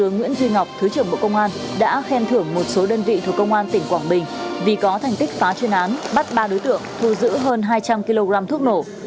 nguyễn duy ngọc thứ trưởng bộ công an đã khen thưởng một số đơn vị thuộc công an tỉnh quảng bình vì có thành tích phá chuyên án bắt ba đối tượng thu giữ hơn hai trăm linh kg thuốc nổ